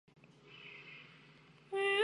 望谟崖摩为楝科崖摩属下的一个种。